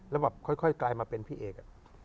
แล้วแบบค่อยกลายมาเป็นพี่เอก